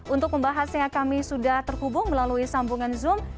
untuk membahasnya kami sudah terhubung melalui sambungan zoom